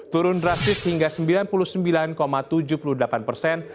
turun drastis hingga sembilan puluh sembilan tujuh puluh delapan persen